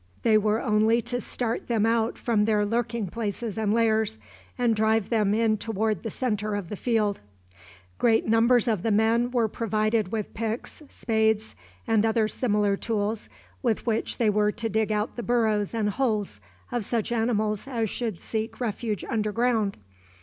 They were only to start them out from their lurking places and lairs, and drive them in toward the centre of the field. Great numbers of the men were provided with picks, spades, and other similar tools, with which they were to dig out the burrows and holes of such animals as should seek refuge under ground.